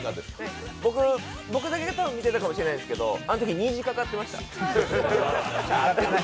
僕だけが見えてたと思うんですけどあのとき、虹、かかってました。